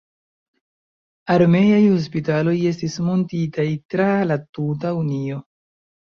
Armeaj hospitaloj estis muntitaj tra la tuta Unio.